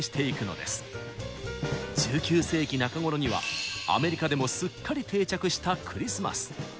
１９世紀中頃にはアメリカでもすっかり定着したクリスマス。